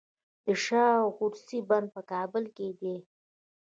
د شاه و عروس بند په کابل کې دی